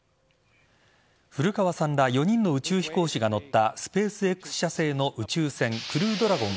古川さんら４人の宇宙飛行士が乗ったスペースＸ社製の宇宙船「クルードラゴン」